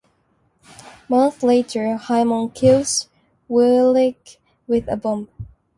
Moments later, Himon kills Willik with a bomb.